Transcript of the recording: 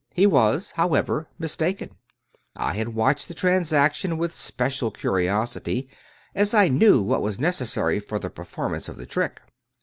He was, however, mistaken. I had watched the transaction with special curi osity, as I knew what was necessary for the performance of the trick.